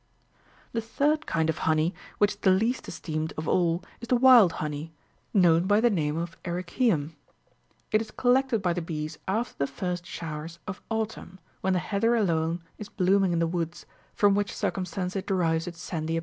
40 (16.) The third kind of honey, which is the least esteemed of all, is the wild honey, known by the name of ericaum* It is collected by the bees after the first showers of autumn when the heather42 alone is blooming in the woods, from which circumstance it derives its sandy appearance.